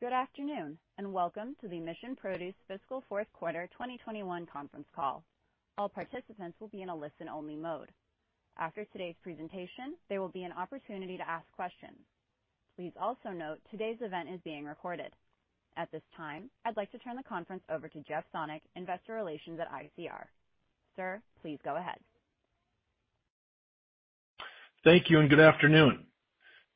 Good afternoon, and welcome to the Mission Produce fiscal Q4 2021 conference call. All participants will be in a listen-only mode. After today's presentation, there will be an opportunity to ask questions. Please also note today's event is being recorded. At this time, I'd like to turn the conference over to Jeff Sonnek, Investor Relations at ICR. Sir, please go ahead. Thank you and good afternoon.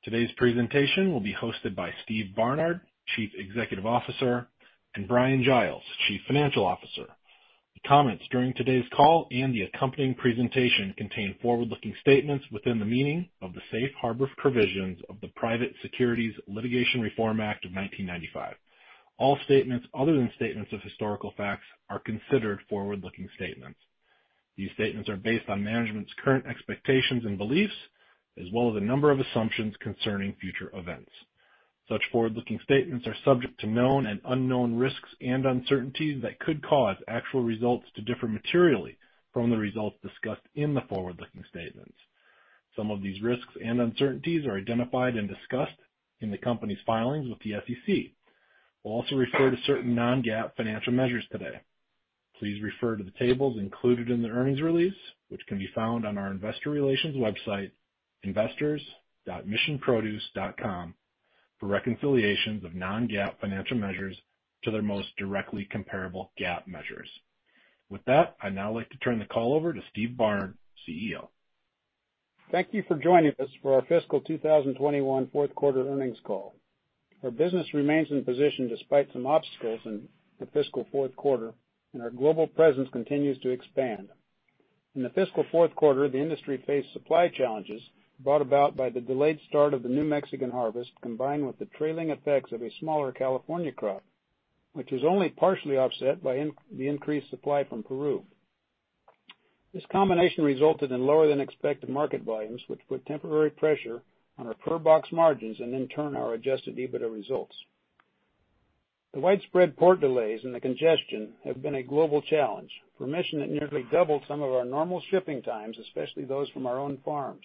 Today's presentation will be hosted by Steve Barnard, Chief Executive Officer, and Bryan Giles, Chief Financial Officer. The comments during today's call and the accompanying presentation contain forward-looking statements within the meaning of the Safe Harbor provisions of the Private Securities Litigation Reform Act of 1995. All statements other than statements of historical facts are considered forward-looking statements. These statements are based on management's current expectations and beliefs, as well as a number of assumptions concerning future events. Such forward-looking statements are subject to known and unknown risks and uncertainties that could cause actual results to differ materially from the results discussed in the forward-looking statements. Some of these risks and uncertainties are identified and discussed in the company's filings with the SEC. We'll also refer to certain non-GAAP financial measures today. Please refer to the tables included in the earnings release, which can be found on our investor relations website, investors.missionproduce.com, for reconciliations of non-GAAP financial measures to their most directly comparable GAAP measures. With that, I'd now like to turn the call over to Steve Barnard, CEO. Thank you for joining us for our fiscal 2021 Q4 Earnings Call. Our business remains in position despite some obstacles in the fiscal Q4, and our global presence continues to expand. In the fiscal Q4, the industry faced supply challenges brought about by the delayed start of the new Mexican harvest, combined with the trailing effects of a smaller California crop, which is only partially offset by the increased supply from Peru. This combination resulted in lower than expected market volumes, which put temporary pressure on our per-box margins and in turn, our Adjusted EBITDA results. The widespread port delays and the congestion have been a global challenge. For Mission, it nearly doubled some of our normal shipping times, especially those from our own farms.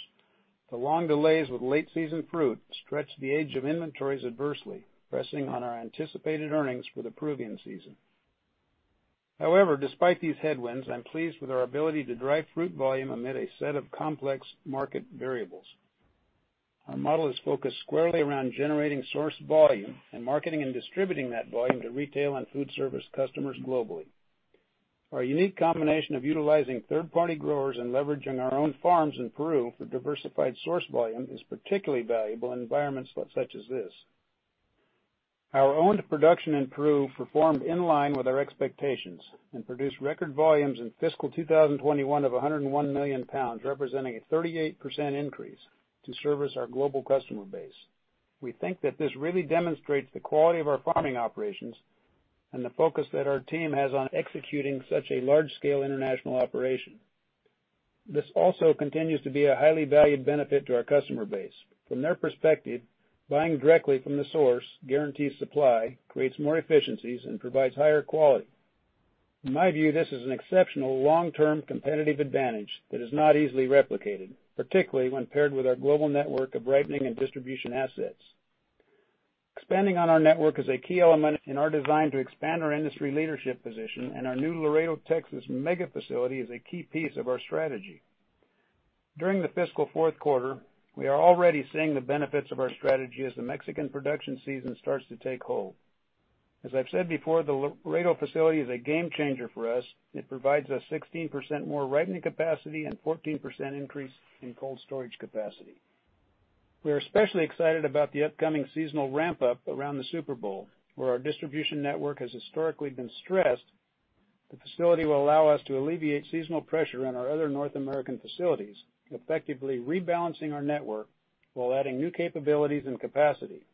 The long delays with late season fruit stretched the age of inventories adversely, pressing on our anticipated earnings for the Peruvian season. However, despite these headwinds, I'm pleased with our ability to drive fruit volume amid a set of complex market variables. Our model is focused squarely around generating source volume and marketing and distributing that volume to retail and food service customers globally. Our unique combination of utilizing third-party growers and leveraging our own farms in Peru for diversified source volume is particularly valuable in environments such as this. Our owned production in Peru performed in line with our expectations and produced record volumes in fiscal 2021 of 101 million pounds, representing a 38% increase to service our global customer base. We think that this really demonstrates the quality of our farming operations and the focus that our team has on executing such a large-scale international operation. This also continues to be a highly valued benefit to our customer base. From their perspective, buying directly from the source guarantees supply, creates more efficiencies, and provides higher quality. In my view, this is an exceptional long-term competitive advantage that is not easily replicated, particularly when paired with our global network of ripening and distribution assets. Expanding on our network is a key element in our design to expand our industry leadership position, and our new Laredo, Texas mega facility is a key piece of our strategy. During the fiscal Q4, we are already seeing the benefits of our strategy as the Mexican production season starts to take hold. As I've said before, the Laredo facility is a game changer for us. It provides us 16% more ripening capacity and 14% increase in cold storage capacity. We are especially excited about the upcoming seasonal ramp-up around the Super Bowl, where our distribution network has historically been stressed. The facility will allow us to alleviate seasonal pressure on our other North American facilities, effectively rebalancing our network while adding new capabilities and capacity.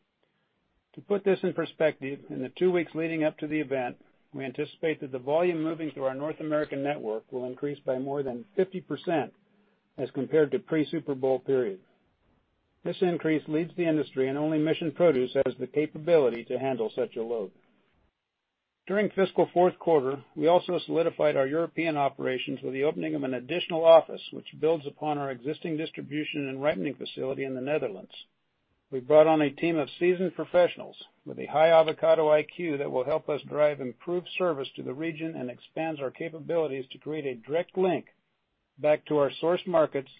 To put this in perspective, in the two weeks leading up to the event, we anticipate that the volume moving through our North American network will increase by more than 50% as compared to pre-Super Bowl period. This increase leads the industry, and only Mission Produce has the capability to handle such a load. During fiscal Q4, we also solidified our European operations with the opening of an additional office, which builds upon our existing distribution and ripening facility in the Netherlands. We brought on a team of seasoned professionals with a high avocado IQ that will help us drive improved service to the region and expands our capabilities to create a direct link back to our source markets,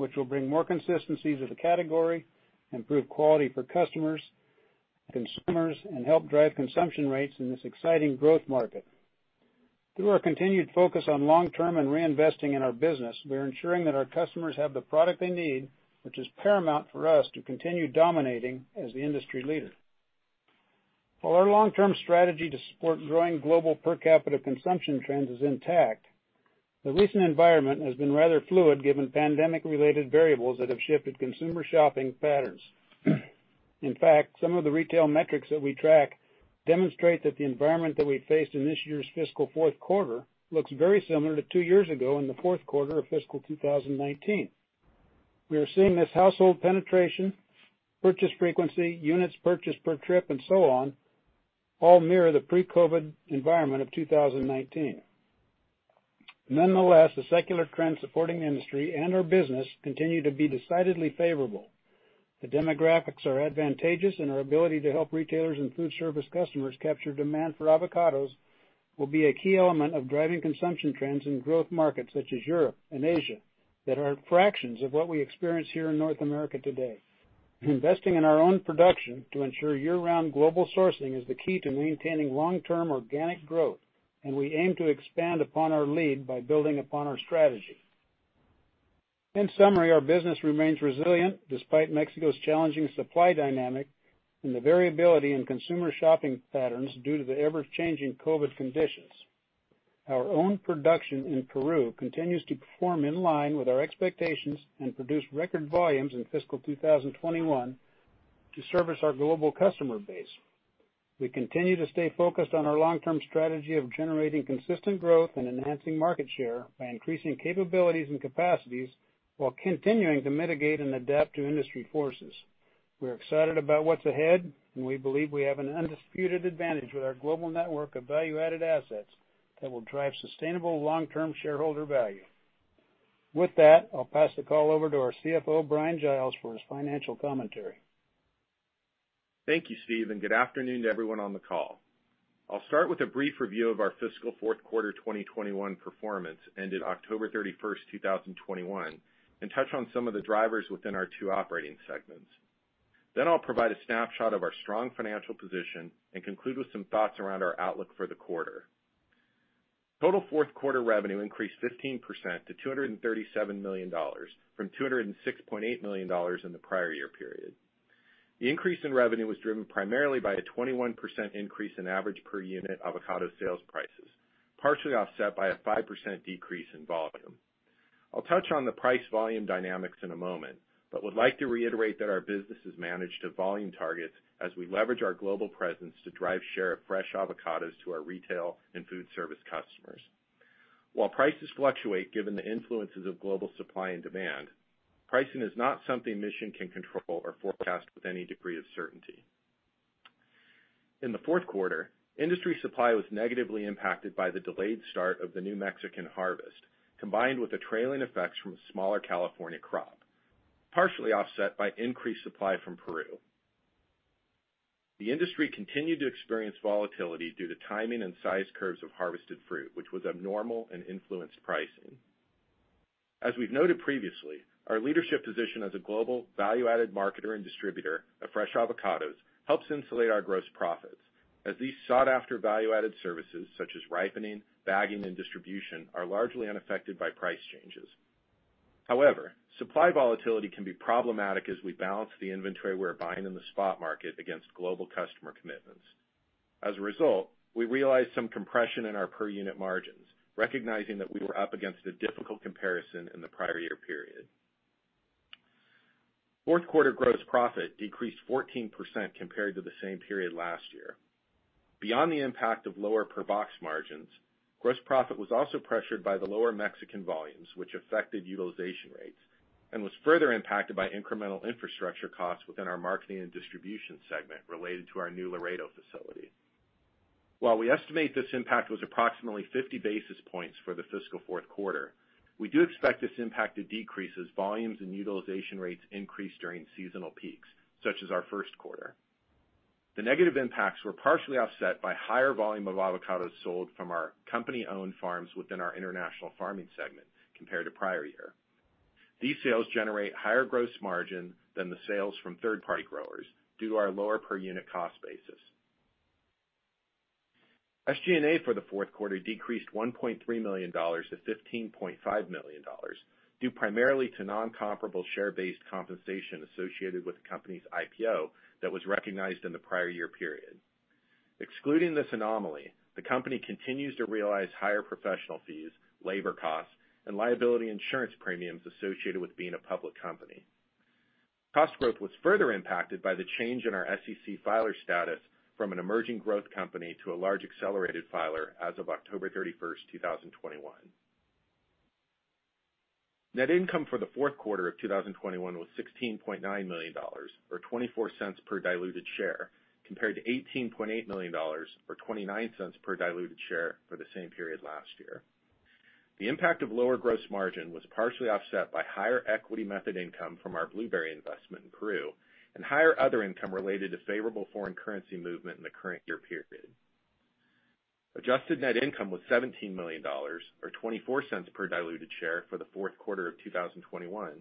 which will bring more consistency to the category, improve quality for customers, consumers, and help drive consumption rates in this exciting growth market. Through our continued focus on long-term and reinvesting in our business, we are ensuring that our customers have the product they need, which is paramount for us to continue dominating as the industry leader. While our long-term strategy to support growing global per capita consumption trends is intact, the recent environment has been rather fluid given pandemic-related variables that have shifted consumer shopping patterns. In fact, some of the retail metrics that we track demonstrate that the environment that we faced in this year's fiscal Q4 looks very similar to two years ago in the Q4 of fiscal 2019. We are seeing this household penetration, purchase frequency, units purchased per trip, and so on, all mirror the pre-COVID environment of 2019. Nonetheless, the secular trend supporting the industry and our business continue to be decidedly favorable. The demographics are advantageous, and our ability to help retailers and food service customers capture demand for avocados will be a key element of driving consumption trends in growth markets such as Europe and Asia that are fractions of what we experience here in North America today. Investing in our own production to ensure year-round global sourcing is the key to maintaining long-term organic growth, and we aim to expand upon our lead by building upon our strategy. In summary, our business remains resilient despite Mexico's challenging supply dynamic and the variability in consumer shopping patterns due to the ever-changing COVID conditions. Our own production in Peru continues to perform in line with our expectations and produce record volumes in fiscal 2021 to service our global customer base. We continue to stay focused on our long-term strategy of generating consistent growth and enhancing market share by increasing capabilities and capacities while continuing to mitigate and adapt to industry forces. We're excited about what's ahead, and we believe we have an undisputed advantage with our global network of value-added assets that will drive sustainable long-term shareholder value. With that, I'll pass the call over to our CFO, Bryan Giles, for his financial commentary. Thank you, Steve, and good afternoon to everyone on the call. I'll start with a brief review of our fiscal Q4 2021 performance ended October 31, 2021 and touch on some of the drivers within our two operating segments. Then I'll provide a snapshot of our strong financial position and conclude with some thoughts around our outlook for the quarter. Total Q4 revenue increased 15% to $237 million from $206.8 million in the prior year period. The increase in revenue was driven primarily by a 21% increase in average per unit avocado sales prices, partially offset by a 5% decrease in volume. I'll touch on the price volume dynamics in a moment, but would like to reiterate that our business is managed to volume targets as we leverage our global presence to drive share of fresh avocados to our retail and food service customers. While prices fluctuate given the influences of global supply and demand, pricing is not something Mission can control or forecast with any degree of certainty. In the Q4, industry supply was negatively impacted by the delayed start of the new Mexican harvest, combined with the trailing effects from a smaller California crop, partially offset by increased supply from Peru. The industry continued to experience volatility due to timing and size curves of harvested fruit, which was abnormal and influenced pricing. As we've noted previously, our leadership position as a global value-added marketer and distributor of fresh avocados helps insulate our gross profits as these sought-after value-added services, such as ripening, bagging, and distribution, are largely unaffected by price changes. However, supply volatility can be problematic as we balance the inventory we're buying in the spot market against global customer commitments. As a result, we realized some compression in our per unit margins, recognizing that we were up against a difficult comparison in the prior year period. Q4 gross profit decreased 14% compared to the same period last year. Beyond the impact of lower per box margins, gross profit was also pressured by the lower Mexican volumes, which affected utilization rates and was further impacted by incremental infrastructure costs within our Marketing & Distribution segment related to our new Laredo facility. While we estimate this impact was approximately 50 basis points for the fiscal Q4, we do expect this impact to decrease as volumes and utilization rates increase during seasonal peaks, such as our Q1. The negative impacts were partially offset by higher volume of avocados sold from our company-owned farms within our International Farming segment compared to prior year. These sales generate higher gross margin than the sales from third-party growers due to our lower per unit cost basis. SG&A for the Q4 decreased $1.3 million to $15.5 million, due primarily to non-comparable share-based compensation associated with the company's IPO that was recognized in the prior year period. Excluding this anomaly, the company continues to realize higher professional fees, labor costs, and liability insurance premiums associated with being a public company. Cost growth was further impacted by the change in our SEC filer status from an emerging growth company to a large accelerated filer as of October 31, 2021. Net income for the Q4 of 2021 was $16.9 million, or $0.24 per diluted share, compared to $18.8 million, or $0.29 per diluted share for the same period last year. The impact of lower gross margin was partially offset by higher equity method income from our blueberry investment in Peru and higher other income related to favorable foreign currency movement in the current year period. Adjusted net income was $17 million, or $0.24 per diluted share for the Q4 of 2021,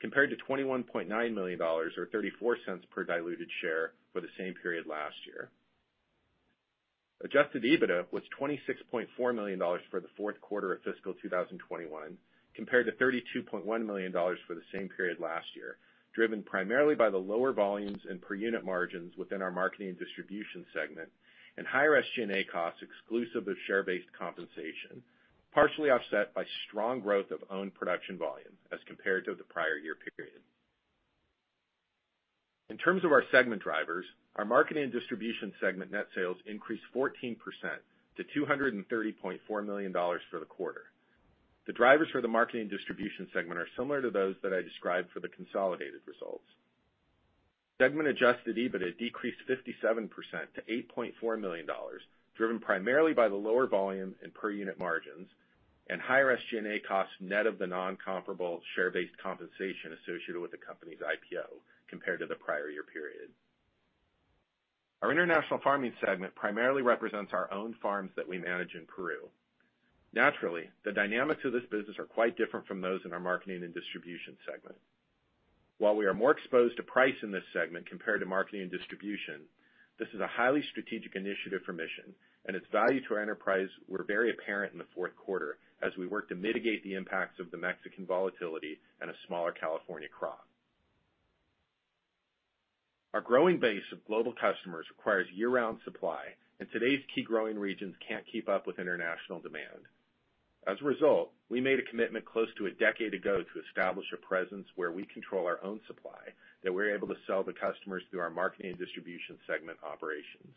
compared to $21.9 million or $0.34 per diluted share for the same period last year. Adjusted EBITDA was $26.4 million for the Q4 of fiscal 2021, compared to $32.1 million for the same period last year, driven primarily by the lower volumes and per unit margins within our Marketing & Distribution segment and higher SG&A costs exclusive of share-based compensation, partially offset by strong growth of owned production volume as compared to the prior year period. In terms of our segment drivers, our Marketing & Distribution segment net sales increased 14% to $230.4 million for the quarter. The drivers for the Marketing & Distribution segment are similar to those that I described for the consolidated results. Segment Adjusted EBITDA decreased 57% to $8.4 million, driven primarily by the lower volume and per unit margins and higher SG&A costs net of the non-comparable share-based compensation associated with the company's IPO compared to the prior year period. Our International Farming segment primarily represents our own farms that we manage in Peru. Naturally, the dynamics of this business are quite different from those in our Marketing & Distribution segment. While we are more exposed to price in this segment compared to Marketing & Distribution, this is a highly strategic initiative for Mission, and its value to our enterprise were very apparent in the Q4 as we worked to mitigate the impacts of the Mexican volatility and a smaller California crop. Our growing base of global customers requires year-round supply, and today's key growing regions can't keep up with international demand. As a result, we made a commitment close to a decade ago to establish a presence where we control our own supply that we're able to sell to customers through our Marketing & Distribution segment operations.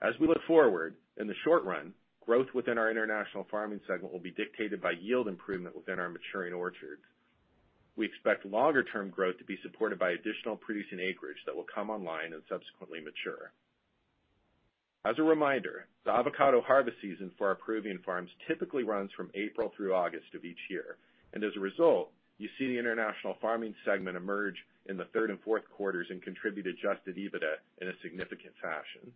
As we look forward, in the short run, growth within our International Farming segment will be dictated by yield improvement within our maturing orchards. We expect longer-term growth to be supported by additional producing acreage that will come online and subsequently mature. As a reminder, the avocado harvest season for our Peruvian farms typically runs from April through August of each year. As a result, you see the International Farming segment emerge in the third and Q4s and contribute Adjusted EBITDA in a significant fashion.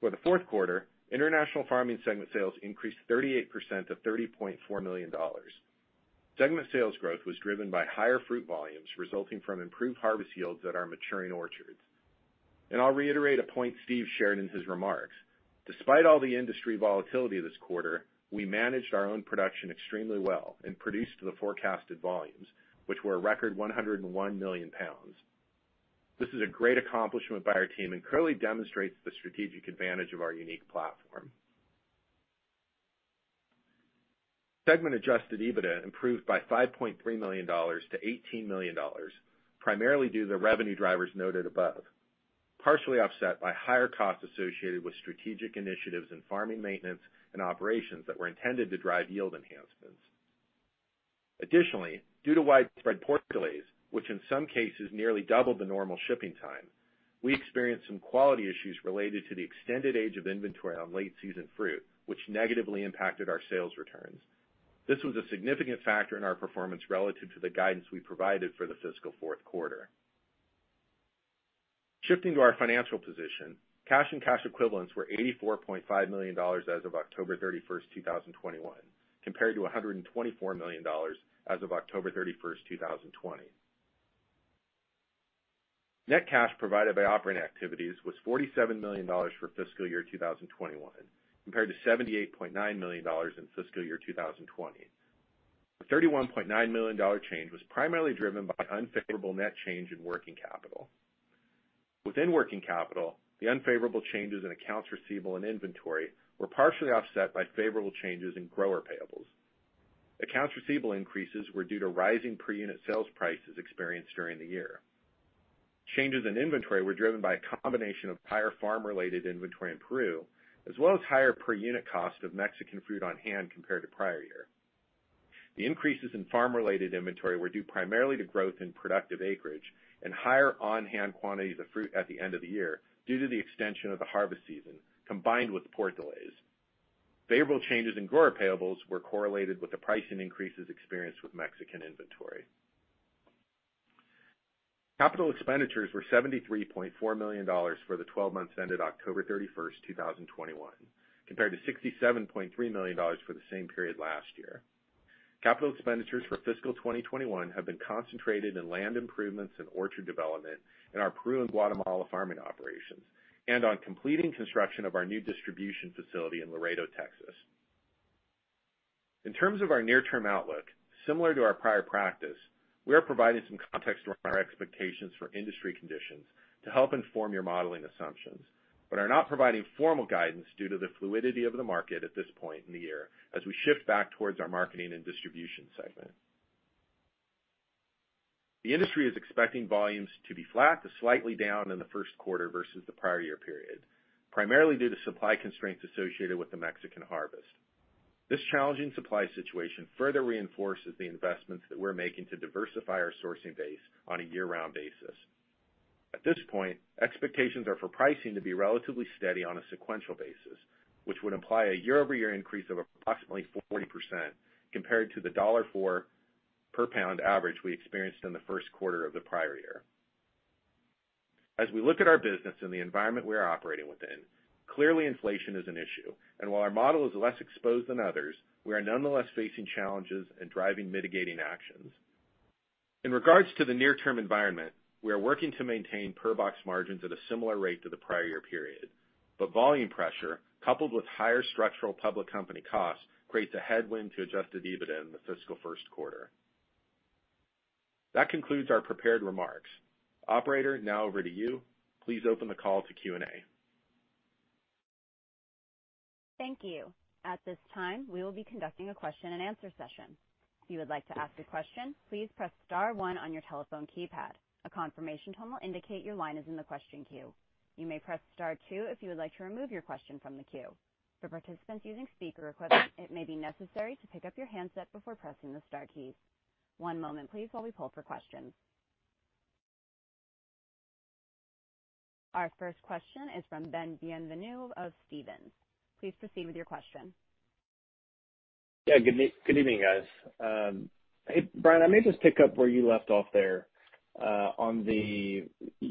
For the Q4, International Farming segment sales increased 38% to $30.4 million. Segment sales growth was driven by higher fruit volumes resulting from improved harvest yields at our maturing orchards. I'll reiterate a point Steve shared in his remarks. Despite all the industry volatility this quarter, we managed our own production extremely well and produced the forecasted volumes, which were a record 101 million pounds. This is a great accomplishment by our team and clearly demonstrates the strategic advantage of our unique platform. Segment Adjusted EBITDA improved by $5.3 million to $18 million, primarily due to the revenue drivers noted above, partially offset by higher costs associated with strategic initiatives in farming maintenance and operations that were intended to drive yield enhancements. Additionally, due to widespread port delays, which in some cases nearly doubled the normal shipping time, we experienced some quality issues related to the extended age of inventory on late-season fruit, which negatively impacted our sales returns. This was a significant factor in our performance relative to the guidance we provided for the fiscal Q4. Shifting to our financial position, cash and cash equivalents were $84.5 million as of October 31, 2021, compared to $124 million as of October 31, 2020. Net cash provided by operating activities was $47 million for fiscal year 2021 compared to $78.9 million in fiscal year 2020. The $31.9 million dollar change was primarily driven by unfavorable net change in working capital. Within working capital, the unfavorable changes in accounts receivable and inventory were partially offset by favorable changes in grower payables. Accounts receivable increases were due to rising per unit sales prices experienced during the year. Changes in inventory were driven by a combination of higher farm-related inventory in Peru, as well as higher per unit cost of Mexican fruit on hand compared to prior year. The increases in farm-related inventory were due primarily to growth in productive acreage and higher on-hand quantities of fruit at the end of the year due to the extension of the harvest season combined with port delays. Favorable changes in grower payables were correlated with the pricing increases experienced with Mexican inventory. Capital expenditures were $73.4 million for the 12 months ended October 31, 2021, compared to $67.3 million for the same period last year. Capital expenditures for fiscal 2021 have been concentrated in land improvements and orchard development in our Peru and Guatemala farming operations, and on completing construction of our new distribution facility in Laredo, Texas. In terms of our near-term outlook, similar to our prior practice, we are providing some context around our expectations for industry conditions to help inform your modeling assumptions, but are not providing formal guidance due to the fluidity of the market at this point in the year as we shift back towards our Marketing & Distribution segment. The industry is expecting volumes to be flat to slightly down in the Q1 versus the prior year period, primarily due to supply constraints associated with the Mexican harvest. This challenging supply situation further reinforces the investments that we're making to diversify our sourcing base on a year-round basis. At this point, expectations are for pricing to be relatively steady on a sequential basis, which would imply a year-over-year increase of approximately 40% compared to the $4 per pound average we experienced in the Q1 of the prior year. As we look at our business and the environment we are operating within, clearly inflation is an issue, and while our model is less exposed than others, we are nonetheless facing challenges and driving mitigating actions. In regards to the near-term environment, we are working to maintain per box margins at a similar rate to the prior year period, but volume pressure, coupled with higher structural public company costs, creates a headwind to Adjusted EBITDA in the fiscal Q1. That concludes our prepared remarks. Operator, now over to you. Please open the call to Q&A. Thank you. At this time, we will be conducting a question and answer session. If you would like to ask a question, please press star one on your telephone keypad. A confirmation tone will indicate your line is in the question queue. You may press star two if you would like to remove your question from the queue. For participants using speaker equipment, it may be necessary to pick up your handset before pressing the star key. One moment please while we poll for questions. Our first question is from Ben Bienvenu of Stephens. Please proceed with your question. Good evening, guys. Hey, Bryan, I may just pick up where you left off there.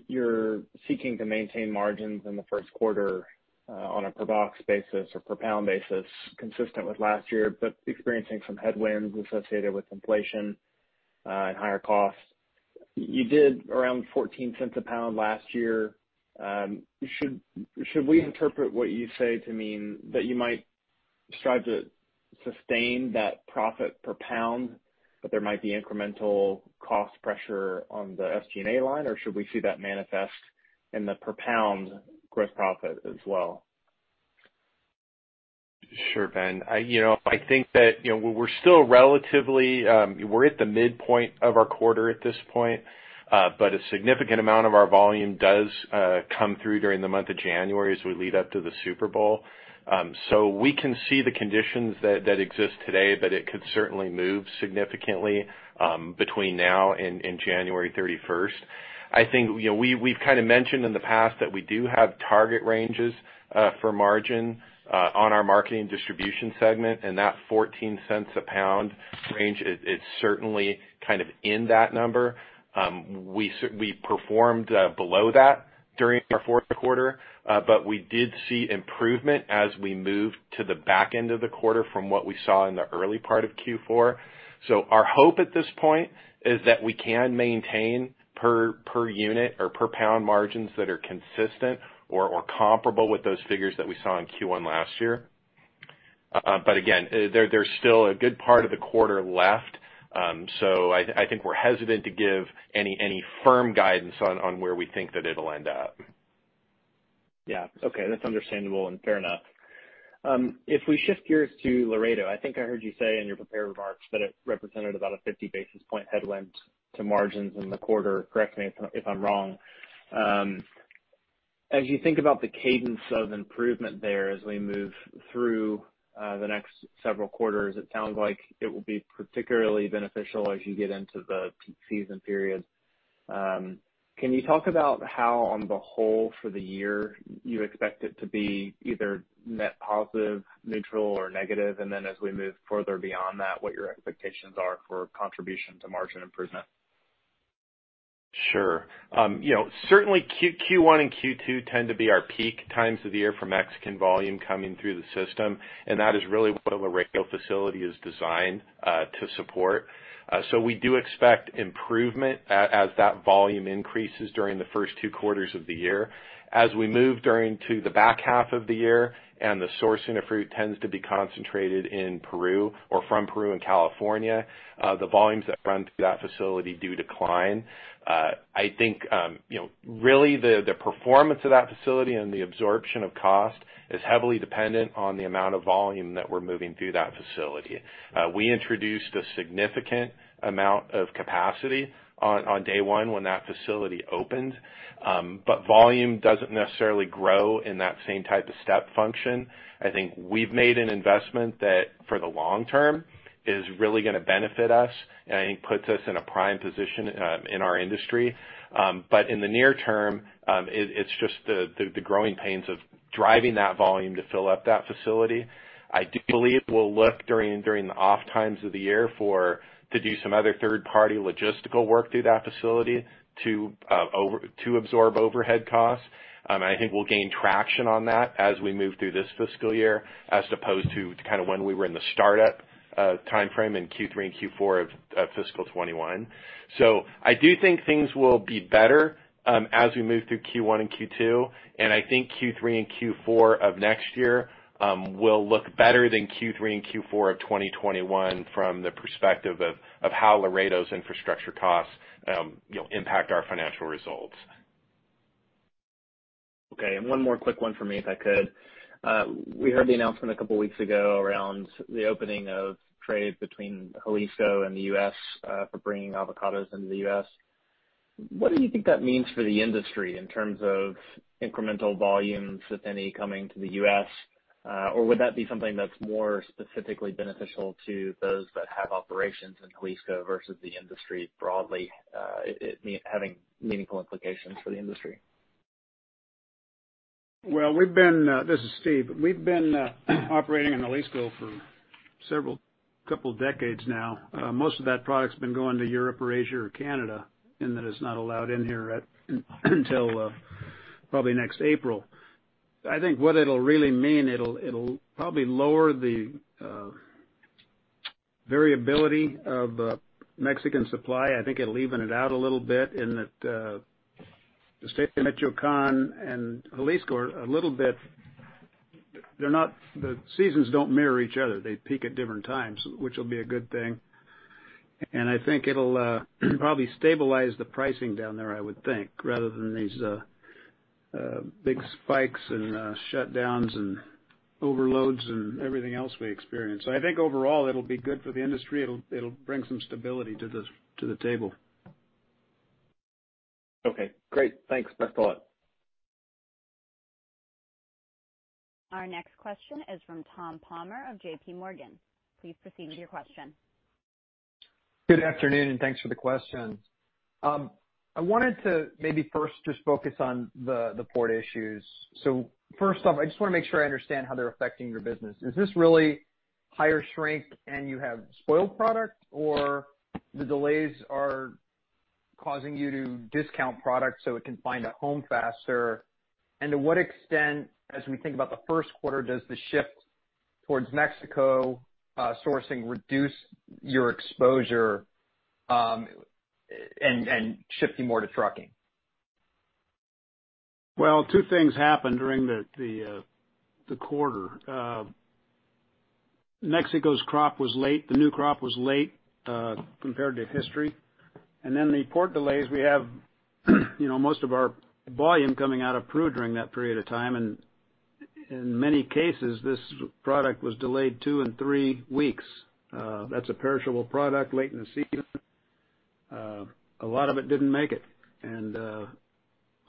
You're seeking to maintain margins in the Q1 on a per box basis or per pound basis, consistent with last year, but experiencing some headwinds associated with inflation and higher costs. You did around $0.14 per pound last year. Should we interpret what you say to mean that you might strive to sustain that profit per pound, but there might be incremental cost pressure on the SG&A line, or should we see that manifest in the per pound gross profit as well? Sure, Ben. You know, I think that, you know, we're still at the midpoint of our quarter at this point, but a significant amount of our volume does come through during the month of January as we lead up to the Super Bowl. We can see the conditions that exist today, but it could certainly move significantly between now and January 31st. I think, you know, we've kind of mentioned in the past that we do have target ranges for margin on Marketing & Distribution segment, and that 14 cents a pound range is certainly kind of in that number. We performed below that during our Q4, but we did see improvement as we moved to the back end of the quarter from what we saw in the early part of Q4. Our hope at this point is that we can maintain per unit or per pound margins that are consistent or comparable with those figures that we saw in Q1 last year. Again, there's still a good part of the quarter left. I think we're hesitant to give any firm guidance on where we think that it'll end up. Yeah. Okay. That's understandable and fair enough. If we shift gears to Laredo, I think I heard you say in your prepared remarks that it represented about a 50 basis point headwind to margins in the quarter. Correct me if I'm wrong. As you think about the cadence of improvement there as we move through the next several quarters, it sounds like it will be particularly beneficial as you get into the peak season period. Can you talk about how on the whole for the year, you expect it to be either net positive, neutral or negative? As we move further beyond that, what your expectations are for contribution to margin improvement? Sure. You know, certainly Q1 and Q2 tend to be our peak times of the year from Mexican volume coming through the system, and that is really what a rail facility is designed to support. We do expect improvement as that volume increases during the first two quarters of the year. As we move into the back half of the year, and the sourcing of fruit tends to be concentrated in Peru or from Peru and California, the volumes that run through that facility do decline. I think, you know, really the performance of that facility and the absorption of cost is heavily dependent on the amount of volume that we're moving through that facility. We introduced a significant amount of capacity on day one when that facility opened, but volume doesn't necessarily grow in that same type of step function. I think we've made an investment that, for the long term, is really gonna benefit us and I think puts us in a prime position in our industry. In the near term, it's just the growing pains of driving that volume to fill up that facility. I do believe we'll look during the off times of the year to do some other third-party logistical work through that facility to absorb overhead costs. I think we'll gain traction on that as we move through this fiscal year as opposed to kind of when we were in the startup timeframe in Q3 and Q4 of fiscal 2021. I do think things will be better, as we move through Q1 and Q2, and I think Q3 and Q4 of next year, will look better than Q3 and Q4 of 2021 from the perspective of how Laredo's infrastructure costs, you know, impact our financial results. Okay. One more quick one for me, if I could. Yes. We heard the announcement a couple weeks ago around the opening of trade between Jalisco and the U.S. for bringing avocados into the U.S. What do you think that means for the industry in terms of incremental volumes, if any, coming to the U.S.? Or would that be something that's more specifically beneficial to those that have operations in Jalisco versus the industry broadly, having meaningful implications for the industry? Well, this is Steve. We've been operating in Jalisco for a couple decades now. Most of that product's been going to Europe or Asia or Canada, and that is not allowed in here at all until probably next April. I think what it'll really mean is it'll probably lower the variability of Mexican supply. I think it'll even it out a little bit in that the state of Michoacán and Jalisco are a little bit. Their seasons don't mirror each other. They peak at different times, which will be a good thing. I think it'll probably stabilize the pricing down there, I would think, rather than these big spikes and shutdowns and overloads and everything else we experience. I think overall it'll be good for the industry. It'll bring some stability to the table. Okay, great. Thanks. Best of luck. Our next question is from Tom Palmer of JPMorgan. Please proceed with your question. Good afternoon, and thanks for the questions. I wanted to maybe first just focus on the port issues. First off, I just wanna make sure I understand how they're affecting your business. Is this really higher shrink and you have spoiled product? Or the delays are causing you to discount product so it can find a home faster? And to what extent, as we think about the Q1, does the shift towards Mexico sourcing reduce your exposure, and shift you more to trucking? Well, two things happened during the quarter. Mexico's crop was late. The new crop was late compared to history. The port delays, we have, you know, most of our volume coming out of Peru during that period of time, and in many cases, this product was delayed two and three weeks. That's a perishable product late in the season. A lot of it didn't make it.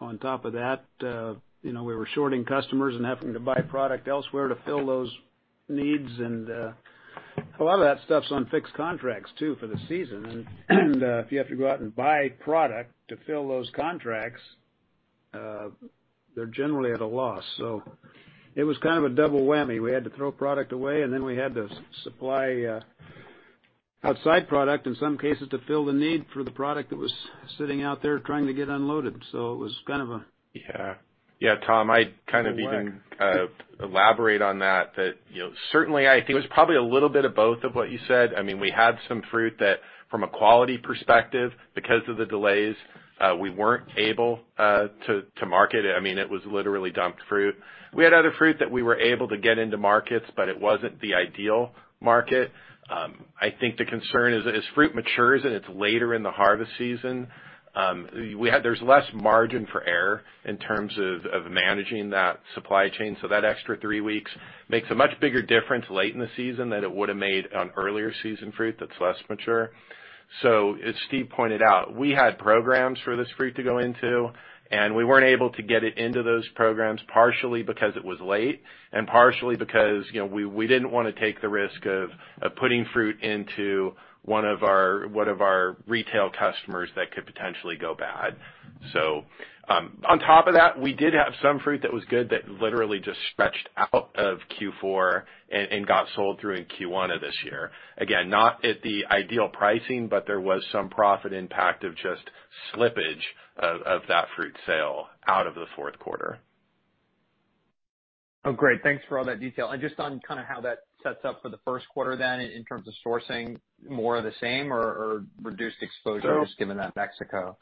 On top of that, you know, we were shorting customers and having to buy product elsewhere to fill those needs. A lot of that stuff's on fixed contracts too for the season. If you have to go out and buy product to fill those contracts, they're generally at a loss. It was kind of a double whammy. We had to throw product away, and then we had to supply outside product in some cases to fill the need for the product that was sitting out there trying to get unloaded. It was kind of a. Yeah, Tom, I'd kind of even- A lag. Elaborate on that. That, you know, certainly I think it was probably a little bit of both of what you said. I mean, we had some fruit that from a quality perspective, because of the delays, we weren't able to market it. I mean, it was literally dumped fruit. We had other fruit that we were able to get into markets, but it wasn't the ideal market. I think the concern is, as fruit matures and it's later in the harvest season, there's less margin for error in terms of managing that supply chain, so that extra three weeks makes a much bigger difference late in the season than it would've made on earlier season fruit that's less mature. As Steve pointed out, we had programs for this fruit to go into, and we weren't able to get it into those programs, partially because it was late and partially because, you know, we didn't wanna take the risk of putting fruit into one of our retail customers that could potentially go bad. On top of that, we did have some fruit that was good that literally just stretched out of Q4 and got sold through in Q1 of this year. Again, not at the ideal pricing, but there was some profit impact of just slippage of that fruit sale out of the Q4. Oh, great. Thanks for all that detail. Just on kind of how that sets up for the Q1 then in terms of sourcing, more of the same or reduced exposure just given that Mexico?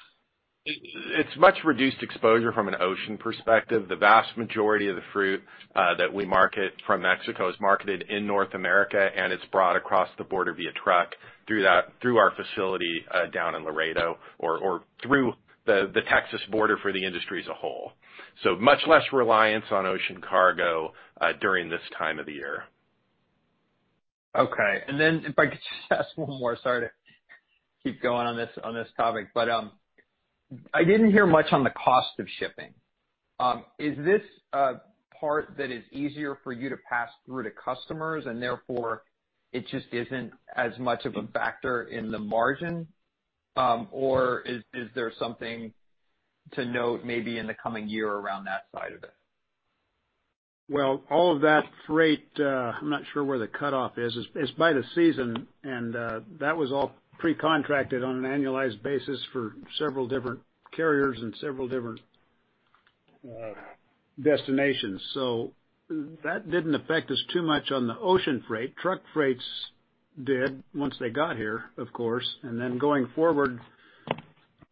It's much reduced exposure from an ocean perspective. The vast majority of the fruit that we market from Mexico is marketed in North America, and it's brought across the border via truck through our facility down in Laredo or through the Texas border for the industry as a whole. Much less reliance on ocean cargo during this time of the year. Okay. If I could just ask one more. Sorry to keep going on this topic. I didn't hear much on the cost of shipping. Is this a part that is easier for you to pass through to customers, and therefore it just isn't as much of a factor in the margin? Or is there something to note maybe in the coming year around that side of it? Well, all of that freight, I'm not sure where the cutoff is by the season, and that was all pre-contracted on an annualized basis for several different carriers and several different destinations. That didn't affect us too much on the ocean freight. Truck freights did once they got here, of course. Then going forward,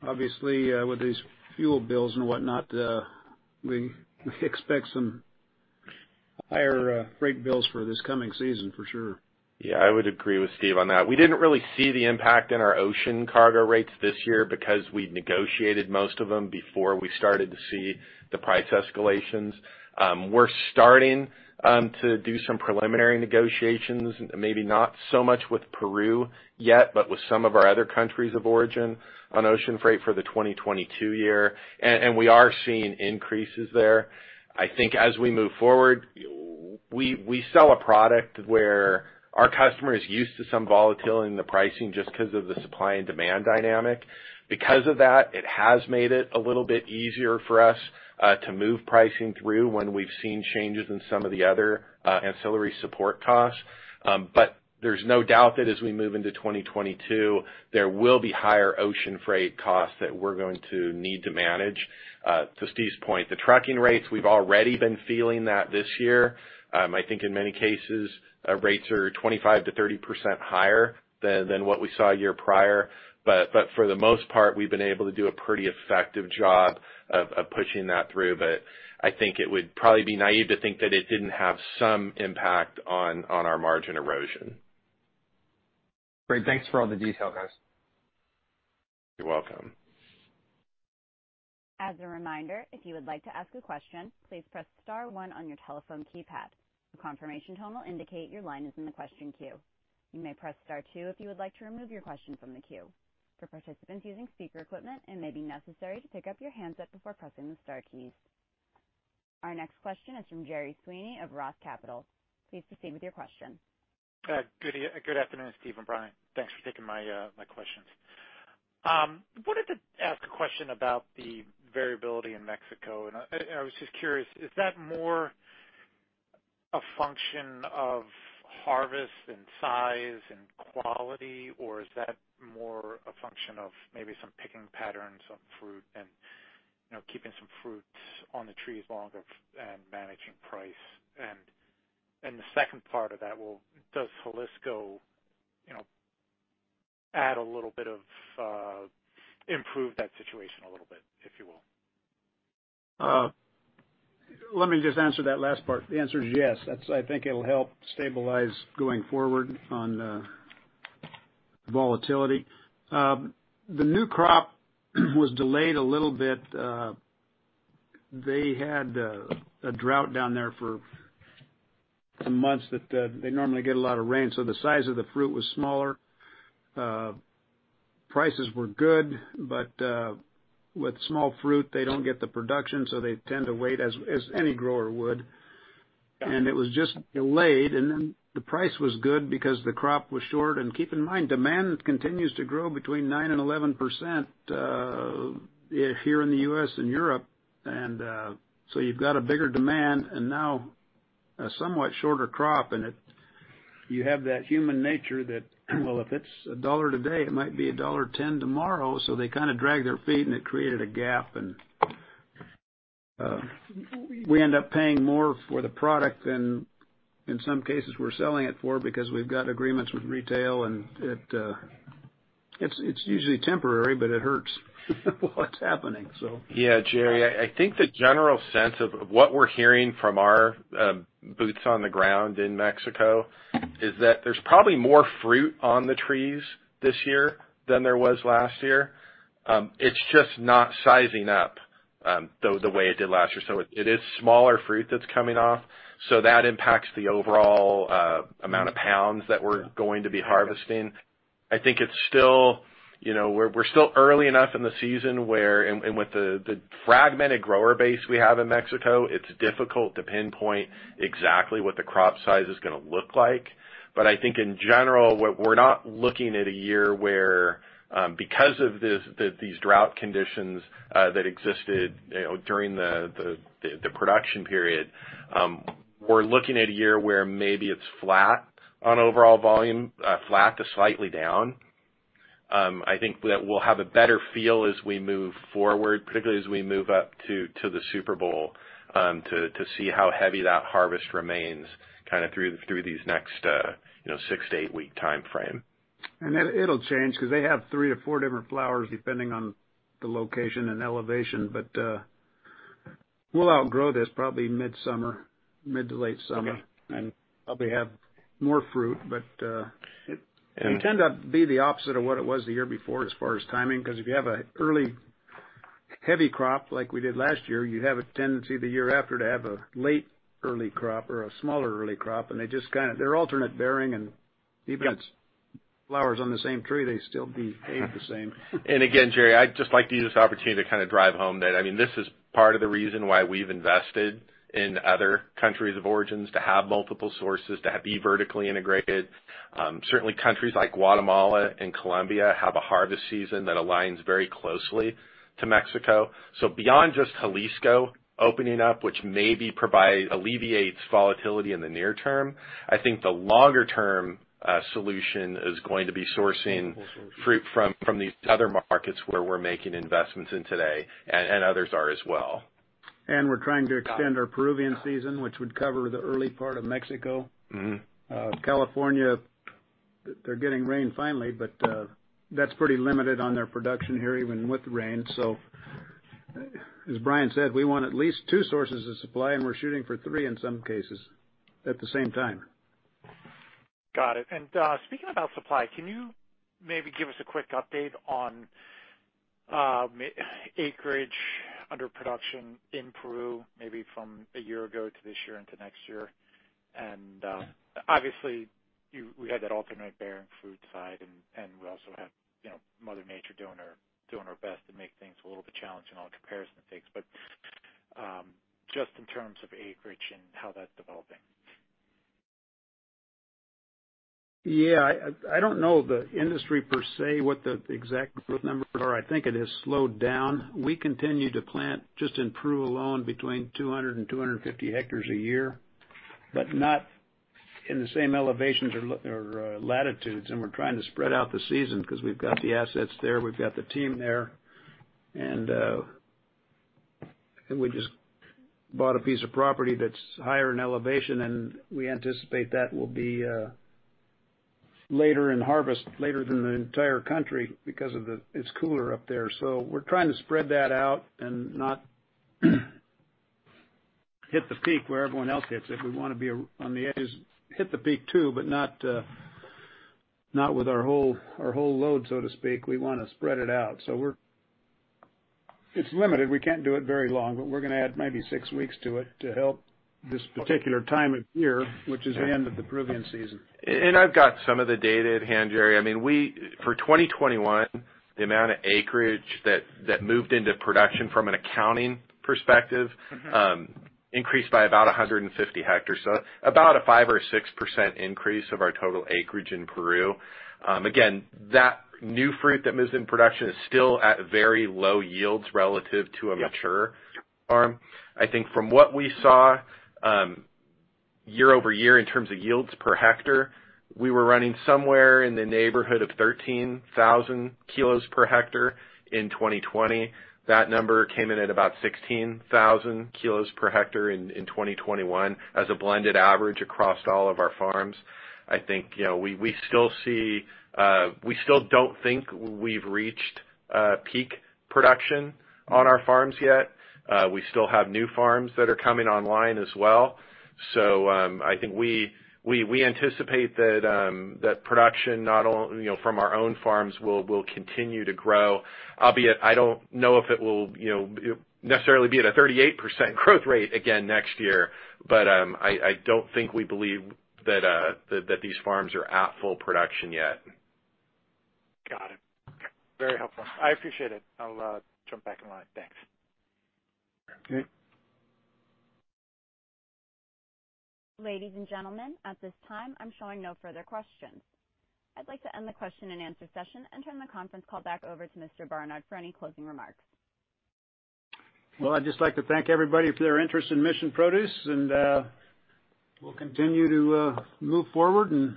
obviously, with these fuel bills and whatnot, we expect some higher freight bills for this coming season for sure. Yeah, I would agree with Steve on that. We didn't really see the impact in our ocean cargo rates this year because we negotiated most of them before we started to see the price escalations. We're starting to do some preliminary negotiations, maybe not so much with Peru yet, but with some of our other countries of origin on ocean freight for the 2022 year. We are seeing increases there. I think as we move forward, we sell a product where our customer is used to some volatility in the pricing just 'cause of the supply and demand dynamic. Because of that, it has made it a little bit easier for us to move pricing through when we've seen changes in some of the other ancillary support costs. There's no doubt that as we move into 2022, there will be higher ocean freight costs that we're going to need to manage. To Steve's point, the trucking rates, we've already been feeling that this year. I think in many cases, rates are 25%-30% higher than what we saw a year prior. For the most part, we've been able to do a pretty effective job of pushing that through. I think it would probably be naive to think that it didn't have some impact on our margin erosion. Great. Thanks for all the detail, guys. You're welcome. As a reminder, if you would like to ask a question, please press star one on your telephone keypad. A confirmation tone will indicate your line is in the question queue. You may press star two if you would like to remove your question from the queue. For participants using speaker equipment, it may be necessary to pick up your handset before pressing the star keys. Our next question is from Gerry Sweeney of ROTH Capital Partners. Please proceed with your question. Good afternoon, Steve and Bryan. Thanks for taking my questions. I wanted to ask a question about the variability in Mexico, and I was just curious, is that more a function of harvest and size and quality, or is that more a function of maybe some picking patterns of fruit and, you know, keeping some fruits on the trees longer and managing price? And the second part of that, well, does Jalisco, you know, add a little bit to improve that situation a little bit, if you will? Let me just answer that last part. The answer is yes. That's. I think it'll help stabilize going forward on volatility. The new crop was delayed a little bit. They had a drought down there for some months that they normally get a lot of rain, so the size of the fruit was smaller. Prices were good, but with small fruit, they don't get the production, so they tend to wait as any grower would. Yeah. It was just delayed, and then the price was good because the crop was short. Keep in mind, demand continues to grow 9%-11% here in the U.S. and Europe. You've got a bigger demand and now a somewhat shorter crop. You have that human nature that, well, if it's $1 today, it might be $1.10 tomorrow. They kinda drag their feet, and it created a gap, and we end up paying more for the product than in some cases we're selling it for because we've got agreements with retail and it. It's usually temporary, but it hurts what's happening. Yeah, Gerry, I think the general sense of what we're hearing from our boots on the ground in Mexico is that there's probably more fruit on the trees this year than there was last year. It's just not sizing up the way it did last year. It is smaller fruit that's coming off, so that impacts the overall amount of pounds that we're going to be harvesting. I think it's still, you know, we're still early enough in the season where and with the fragmented grower base we have in Mexico, it's difficult to pinpoint exactly what the crop size is gonna look like. I think in general, what we're not looking at a year where, because of this, these drought conditions, that existed, you know, during the production period, we're looking at a year where maybe it's flat on overall volume, flat to slightly down. I think that we'll have a better feel as we move forward, particularly as we move up to the Super Bowl, to see how heavy that harvest remains kinda through these next, you know, six- to eight-week timeframe. It'll change 'cause they have three or four different flowers depending on the location and elevation. We'll outgrow this probably mid-summer, mid to late summer. Okay. Probably have more fruit. But Yeah. It can tend to be the opposite of what it was the year before as far as timing, 'cause if you have an early heavy crop like we did last year, you have a tendency the year after to have a late early crop or a smaller early crop, and they just kind of. They're alternate bearing, and even- Yeah. If it's flowers on the same tree, they still behave the same. Again, Gerry, I'd just like to use this opportunity to kinda drive home that, I mean, this is part of the reason why we've invested in other countries of origins to have multiple sources, to be vertically integrated. Certainly countries like Guatemala and Colombia have a harvest season that aligns very closely to Mexico. Beyond just Jalisco opening up, which maybe alleviates volatility in the near term, I think the longer term solution is going to be sourcing fruit from these other markets where we're making investments in today, and others are as well. We're trying to extend our Peruvian season, which would cover the early part of Mexico. Mm-hmm. California, they're getting rain finally, but that's pretty limited on their production here, even with rain. As Bryan said, we want at least two sources of supply, and we're shooting for three in some cases at the same time. Got it. Speaking about supply, can you maybe give us a quick update on acreage under production in Peru, maybe from a year ago to this year and to next year? Obviously, we had that alternate bearing fruit side and we also have, you know, Mother Nature doing her best to make things a little bit challenging on comparison things. Just in terms of acreage and how that's developing. Yeah. I don't know the industry per se, what the exact growth numbers are. I think it has slowed down. We continue to plant just in Peru alone between 200 and 250 hectares a year, but not in the same elevations or latitudes, and we're trying to spread out the season 'cause we've got the assets there, we've got the team there. We just bought a piece of property that's higher in elevation, and we anticipate that will be later in harvest, later than the entire country because it's cooler up there. We're trying to spread that out and not hit the peak where everyone else hits it. We wanna be on the edges, hit the peak too, but not with our whole load, so to speak. We wanna spread it out. It's limited. We can't do it very long, but we're gonna add maybe six weeks to it to help this particular time of year, which is the end of the Peruvian season. I've got some of the data at hand, Gerry. I mean, we, for 2021, the amount of acreage that moved into production from an accounting perspective. Mm-hmm. Increased by about 150 hectares, so about a 5% or 6% increase of our total acreage in Peru. Again, that new fruit that moves in production is still at very low yields relative to a mature farm. I think from what we saw, year over year in terms of yields per hectare, we were running somewhere in the neighborhood of 13,000 kilos per hectare in 2020. That number came in at about 16,000 kilos per hectare in 2021 as a blended average across all of our farms. I think, you know, we still see, we still don't think we've reached peak production on our farms yet. We still have new farms that are coming online as well. I think we anticipate that production, you know, from our own farms will continue to grow, albeit I don't know if it will, you know, necessarily be at a 38% growth rate again next year. I don't think we believe that these farms are at full production yet. Got it. Very helpful. I appreciate it. I'll jump back in line. Thanks. Okay. Ladies and gentlemen, at this time, I'm showing no further questions. I'd like to end the question and answer session and turn the conference call back over to Mr. Barnard for any closing remarks. Well, I'd just like to thank everybody for their interest in Mission Produce, and we'll continue to move forward and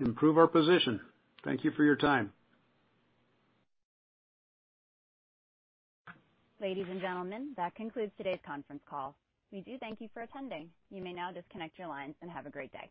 improve our position. Thank you for your time. Ladies and gentlemen, that concludes today's conference call. We do thank you for attending. You may now disconnect your lines, and have a great day.